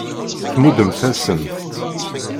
Tmuddemt-asent-tt.